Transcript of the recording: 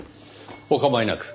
お構いなく。